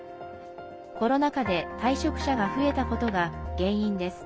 コロナ禍で退職者が増えたことが原因です。